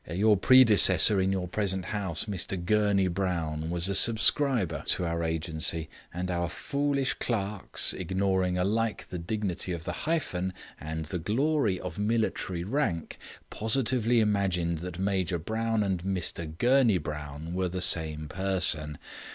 Your predecessor in your present house, Mr Gurney Brown, was a subscriber to our agency, and our foolish clerks, ignoring alike the dignity of the hyphen and the glory of military rank, positively imagined that Major Brown and Mr Gurney Brown were the same person.